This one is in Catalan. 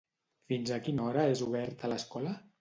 Fins a quina hora és oberta l'escola?